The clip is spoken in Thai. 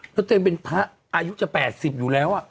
เขาเต็มเป็นพระอายุจะ๘๐อยู่แล้วอ่ะ